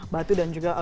batu dan juga